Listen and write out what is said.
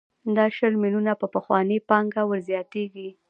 دا شل میلیونه په پخوانۍ پانګه ورزیاتېږي